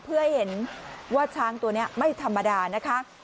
เพื่อให้เห็นว่าช้างตัวนี้ไม่ธรรมดานะคะ